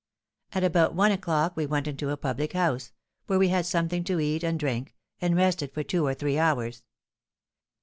At about one o'clock we went into a public house, where we had something to eat and drink, and rested for two or three hours.